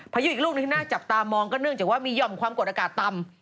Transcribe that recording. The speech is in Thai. ยุอีกลูกหนึ่งที่น่าจับตามองก็เนื่องจากว่ามีห่อมความกดอากาศต่ำ